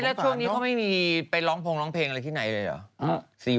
แล้วช่วงนี้เขาไม่มีไปร้องพงร้องเพลงอะไรที่ไหนเลยเหรอ